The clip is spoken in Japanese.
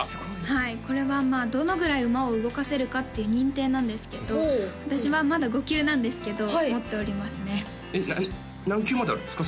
はいこれはまあどのぐらい馬を動かせるかっていう認定なんですけど私はまだ５級なんですけど持っておりますねえっ何級まであるんですか？